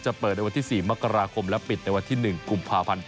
เปิดในวันที่๔มกราคมและปิดในวันที่๑กุมภาพันธ์